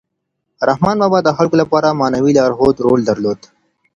رحمان بابا د خلکو لپاره د معنوي لارښود رول درلود.